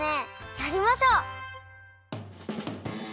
やりましょう！